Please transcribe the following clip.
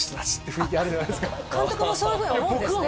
監督もそういうふうに思うんですね